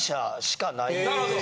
なるほど。